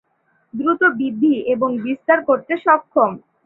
দ্রুত বৃদ্ধি এবং বিস্তার করতে সক্ষম।